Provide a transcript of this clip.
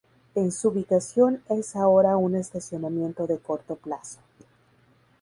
En su ubicación es ahora un estacionamiento de corto plazo.